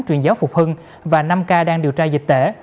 truyền giáo phục hưng và năm ca đang điều tra dịch tễ